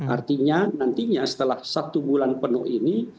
artinya nantinya setelah satu bulan penuh ini